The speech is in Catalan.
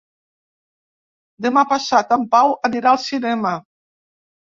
Demà passat en Pau anirà al cinema.